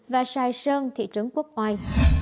và sài sơn thị trấn quốc ngoài